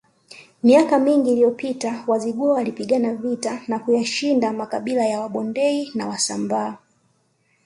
Miaka mingi iliyopita Wazigua walipigana vita na kuyashinda makabila ya Wabondei na Wasambaa